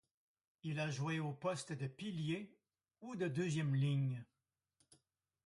Il a joué au poste de pilier ou de deuxième ligne.